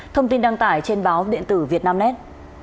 thông tin đăng tải trên báo điện tử việt nam nét